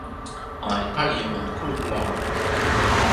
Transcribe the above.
ona li pali lon kulupu lawa.